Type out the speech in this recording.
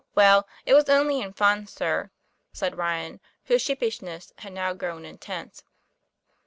well it was only in fun, sir," said Ryan, whose sheepishness had now grown intense.